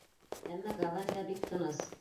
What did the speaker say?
Әммә гавандә бик тыныс.